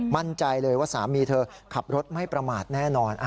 มั่นใจเลยว่าสามีเธอขับรถไม่ประมาทแน่นอน